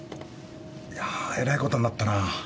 いやあえらいことになったな。